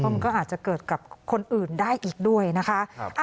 มันก็อาจจะเกิดกับคนอื่นได้อีกด้วยนะคะ